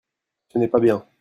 ce n'est pas bien.